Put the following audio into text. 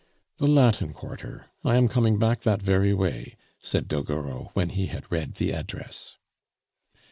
"The Latin Quarter. I am coming back that very way," said Doguereau, when he had read the address.